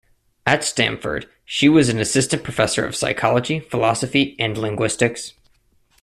At Stanford, she was an assistant professor of psychology, philosophy, and linguistics.